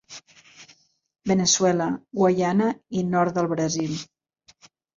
Veneçuela, Guaiana i nord del Brasil.